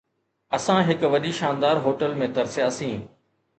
اسان هڪ وڏي شاندار هوٽل ۾ ترسياسين.